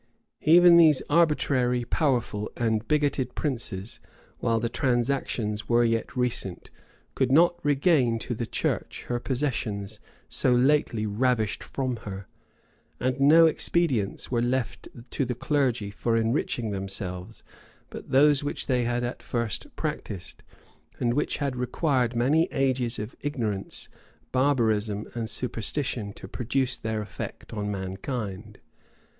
Even these arbitrary, powerful, and bigoted princes, while the transactions were yet recent, could not regain to the church her possessions so lately ravished from her; and no expedients were left to the clergy for enriching themselves but those which they had at first practised, and which had required many ages of ignorance, barbarism, and superstition to produce their effect on mankind.